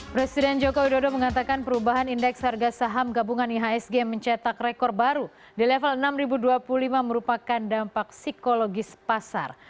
presiden jokowi dodo mengatakan perubahan indeks harga saham gabungan ihsg mencetak rekor baru di level enam ribu dua puluh lima merupakan dampak psikologis pasar